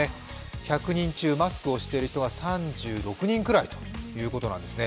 １００人中マスクをしている人が３６人くらいということなんですね。